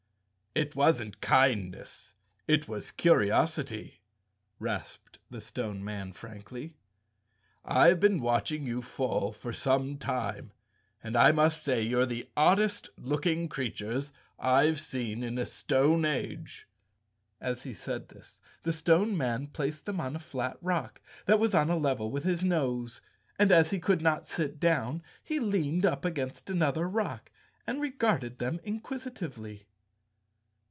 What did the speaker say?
"It wasn't kindness; it was curiosity," rasped the Stone Man frankly. "I've been watching you fall for some time, and I must say you're the oddest looking creatures I've seen in a stone age." As he said this, the Stone Man placed them on a flat rock that was on a level with his nose. And as he 222 Chapter Seventeen could not sit down, he leaned up against another rock and regarded them inquisitively.